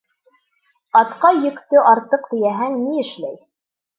Атҡа йөктө артыҡ тейәһәң ни эшләй?